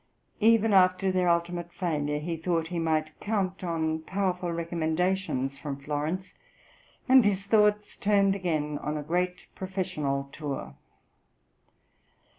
Even after their ultimate failure he thought he might count on powerful recommendations from Florence, and his thoughts turned again on a great professional tour.